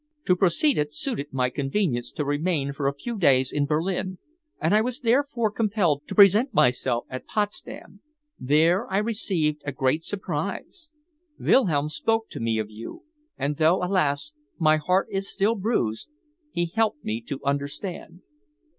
To proceed it suited my convenience to remain for a few days in Berlin, and I was therefore compelled to present myself at Potsdam. There I received a great surprise. Wilhelm spoke to me of you, and though, alas! my heart is still bruised, he helped me to understand."